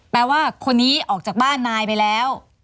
แปลว่าคนนี้ออกจากบ้านนายไปแล้ว